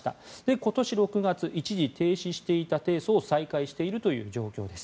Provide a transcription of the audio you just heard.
今年６月、一時停止していた提訴を再開しているという状況です。